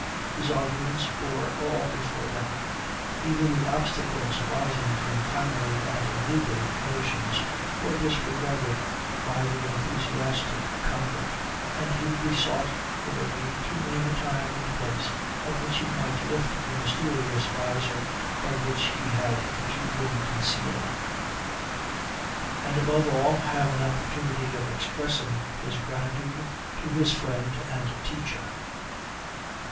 His arguments bore all before them; even the obstacles arising from family and legal notions, were disregarded by the enthusiastic convert, and he besought O'Leary to name a time and place, at which he might lift the mysterious vizor by which he had hitherto been concealed; and above all, have an opportunity of expressing his gratitude to his friend and teacher.